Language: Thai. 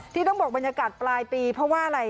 ที่ต้องบอกบรรยากาศปลายปีเพราะว่าอะไร